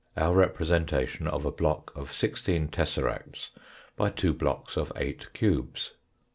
Our representation of a block of sixteen tesse acts by two blocks of eight cubes.